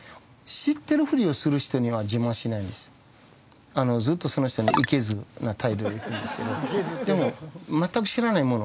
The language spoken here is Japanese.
知ってるフリをする人には自慢しないんですずっとその人にいけずな態度でいくんですけどでも全く知らないもの